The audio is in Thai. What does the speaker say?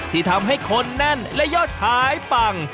ที่ทำให้คนแน่นและยอดขายปัง